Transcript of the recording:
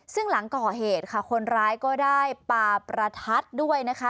ซึ่งหลังก่อเหตุค่ะคนร้ายก็ได้ปลาประทัดด้วยนะคะ